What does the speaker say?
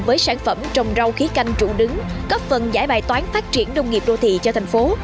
với sản phẩm trồng rau khí canh trụ đứng góp phần giải bài toán phát triển nông nghiệp đô thị cho thành phố